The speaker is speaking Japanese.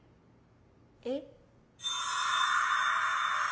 えっ？